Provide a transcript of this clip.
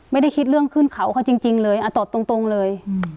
ไม่ได้คิดเรื่องขึ้นเขาเขาจริงเลยตอบตรงเลย